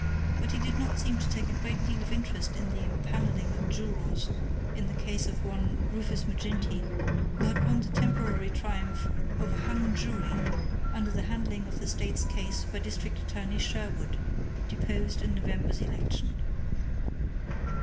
But he did not seem to take a great deal of interest in the impanelling of jurors in the case of one Rufus Maginty, who had won the temporary triumph of a "hung jury" under the handling of the state's case by District Attorney Sherwood, deposed in November's election.